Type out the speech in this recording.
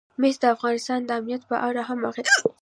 مس د افغانستان د امنیت په اړه هم اغېز لري.